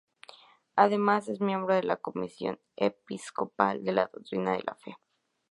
Además, es miembro de la Comisión Episcopal para la Doctrina de la Fe.